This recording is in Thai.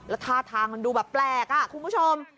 แล้วท่าทางมันดูแบบแปลกคุณผู้ชม